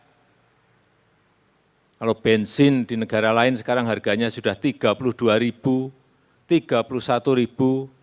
kalau bensin di negara lain sekarang harganya sudah rp tiga puluh dua rp tiga puluh satu